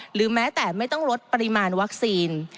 หรือแม้แต่ไม่ต้องลดปริมาณวัคซีน